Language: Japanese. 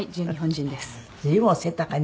随分お背高い。